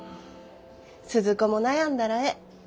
鈴子も悩んだらええ。